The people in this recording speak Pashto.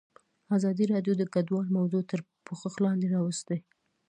ازادي راډیو د کډوال موضوع تر پوښښ لاندې راوستې.